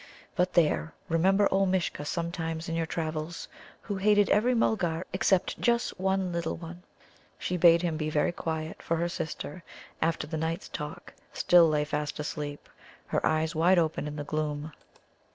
But there! remember old Mishcha sometimes in your travels, who hated every Mulgar except just one little one!" She bade him be very quiet, for her sister, after the night's talk, still lay fast asleep, her eyes wide open, in the gloom.